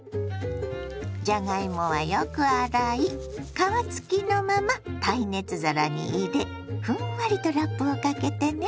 じゃがいもはよく洗い皮付きのまま耐熱皿に入れふんわりとラップをかけてね。